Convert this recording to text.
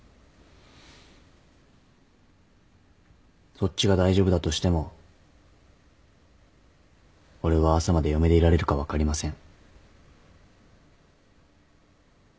そっちが大丈夫だとしても俺は朝まで嫁でいられるか分かりません。